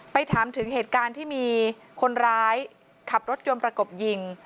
ถามถึงเหตุการณ์ที่มีคนร้ายขับรถยนต์ประกบยิง